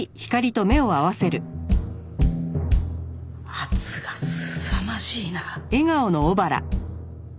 圧がすさまじいな。